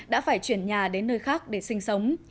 đã phải chuyển nhà đến nơi khác để sinh sống